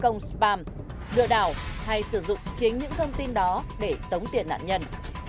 không spam lựa đảo hay sử dụng chính những thông tin đó để tống tiền nạn nhân